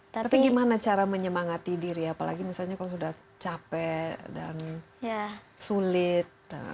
tapi gimana cara menyemangati diri apalagi misalnya kalau sudah capek dan sulit